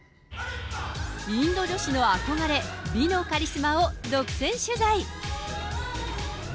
インド女子の憧れ、美のカリスマを独占取材。